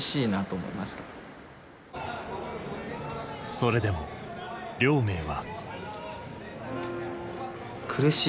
それでも亮明は。